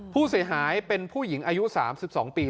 ผู้เสียหายเป็นผู้หญิงอายุ๓๒ปี